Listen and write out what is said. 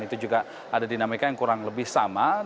itu juga ada dinamika yang kurang lebih sama